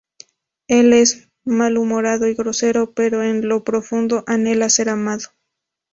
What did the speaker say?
Él es malhumorado y grosero pero en lo profundo anhela ser amado.